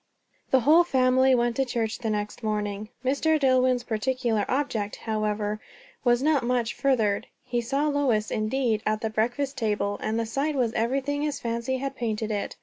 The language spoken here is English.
The whole family went to church the next morning. Mr. Dillwyn's particular object, however, was not much furthered. He saw Lois, indeed, at the breakfast table; and the sight was everything his fancy had painted it.